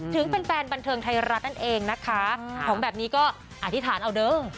ถึงแฟนบันเทิงไทยรัฐนั่นเองนะคะของแบบนี้ก็อธิษฐานเอาเดิ้ง